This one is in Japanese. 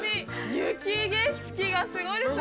雪景色がすごいです。